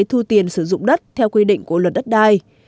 thu tiền sử dụng đất theo quy định của luật đất đai